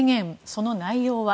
その内容は。